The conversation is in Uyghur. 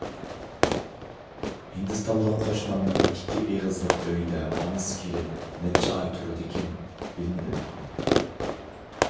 ھىندىستانلىق قوشنامنىڭ ئىككى ئېغىزلىق ئۆيىدە ئانىسى كېلىپ نەچچە ئاي تۇردىكىن، بىلمىدىم.